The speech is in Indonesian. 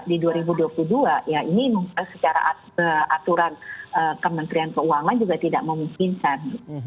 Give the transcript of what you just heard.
di dua ribu dua puluh dua ya ini secara aturan kementerian keuangan juga tidak memungkinkan